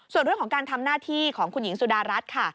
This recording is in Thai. ส่วนเรื่องของการทำหน้าที่ของคุณหญิงสุดารัฐค่ะ